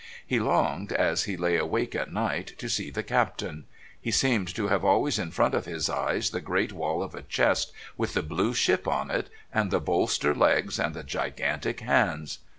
He longed, as he lay awake at night, to see the Captain. He seemed to have always in front of his eyes the great wall of a chest with the blue ship on it, and the bolster legs, and the gigantic hands.